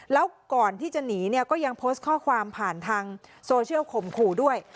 แล้วก่อนที่จะหนีเนี่ยก็ยังโพสต์ข้อความผ่านทางโซเชียลข่มขู่ด้วย